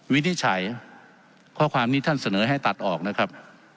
วินิจฉัยข้อความนี้ท่านเสนอให้ตัดออกนะครับ